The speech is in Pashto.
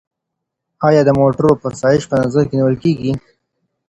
ایا د موټرو فرسایش په نظر کي نیول کیږي؟